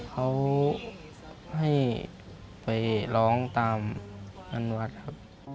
เขาให้ไปร้องตามมันวัตร